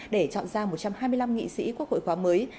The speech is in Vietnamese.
để chọn ra một trăm hai mươi năm nghị sĩ quốc hội khóa mới